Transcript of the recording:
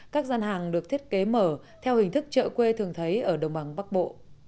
các gian hàng được thiết kế mở theo hình thức chợ quê thường thấy ở đồng bằng bắc bộ